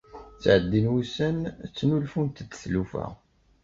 Ttɛeddin wussan, ttnulfunt-d tlufa.